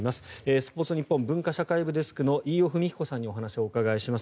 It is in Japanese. スポーツニッポン文化部デスクの飯尾史彦さんにお話をお伺いします。